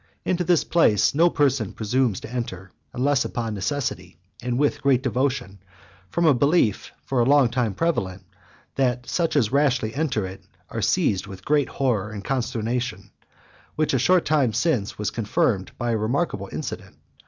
Into this place no person presumes to enter, unless upon necessity, and with great devotion, from a belief, for a long time prevalent, that such as rashly enter it are seized with great horror and consternation, which a short while since was confirmed by a remarkable incident.